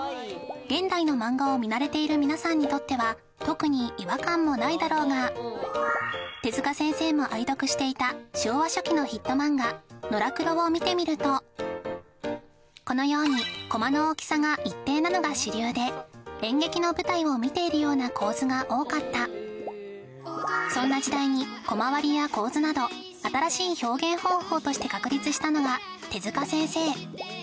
現代のマンガを見慣れている皆さんにとっては特に違和感もないだろうが手塚先生も愛読していた昭和初期のヒットマンガ「のらくろ」を見てみるとこのようにコマの大きさが一定なのが主流で演劇の舞台を見ているような構図が多かったそんな時代にコマ割りや構図など新しい表現方法として確立したのが手塚先生